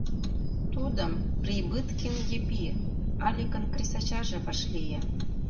Тудым Прибыткин Епи, Аликын кресачаже, вашлие.